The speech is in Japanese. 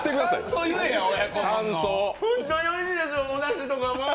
本当においしいです、おだしとかも。